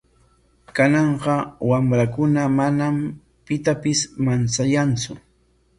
Kananqa wamrakuna manam pitapis manchayantsu.